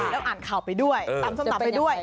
แล้วอ่านข่าวไปด้วยตำส้มตำไปด้วย